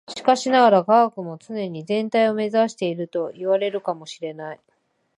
しかしながら、科学も常に全体を目指しているといわれるかも知れない。